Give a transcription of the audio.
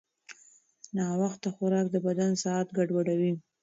ناوخته خوراک د بدن ساعت ګډوډوي.